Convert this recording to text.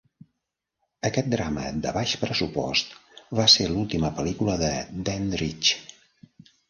Aquest drama de baix pressupost va ser l'última pel·lícula de Dandridge.